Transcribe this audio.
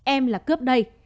em là cướp đây